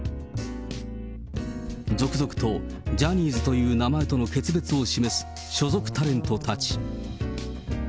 続々とジャニーズという名前との決別を示す所属タレントたち。